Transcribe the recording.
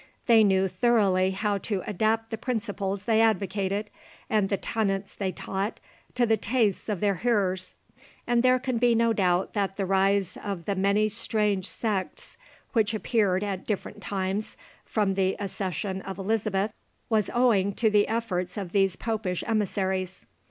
They knew thoroughly how to adapt the principles they advocated, and the tenets they taught, to the tastes of their hearers, and there can be no doubt that the rise of the many strange sects which appeared at different times, from the accession of Elizabeth, was owing to the efforts of these Popish emissaries.